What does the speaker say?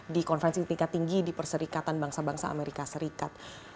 di konferensi tingkat tinggi di perserikatan bangsa bangsa amerika serikat